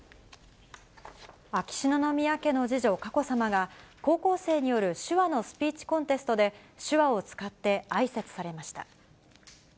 秋篠宮家の次女、佳子さまが、高校生による手話のスピーチコンテストで、手話を使って、あいさつされました。